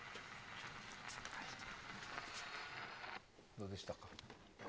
どうでしたか？